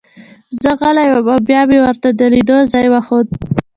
زه غلی وم او بیا مې ورته د لیدو ځای وښود